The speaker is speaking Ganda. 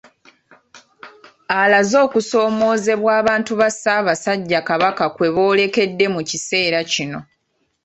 Alaze okusoomoozebwa abantu ba Ssaabasajja Kabaka kwe boolekedde mu kiseera kino.